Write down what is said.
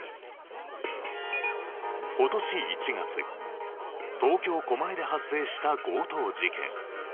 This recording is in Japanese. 今年１月東京狛江で発生した強盗事件。